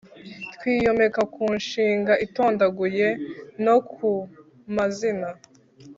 twiyomeka ku nshinga itondaguye no ku mazina